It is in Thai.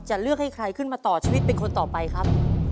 จะเลือกให้ใครขึ้นมาต่อชีวิตเป็นคนต่อไปครับ